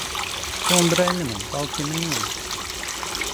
تۆم برای منە، باوکی من نییە.